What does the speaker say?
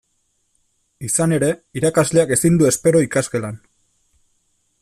Izan ere, irakasleak ezin du espero ikasgelan.